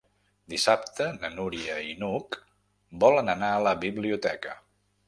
Dissabte na Núria i n'Hug volen anar a la biblioteca.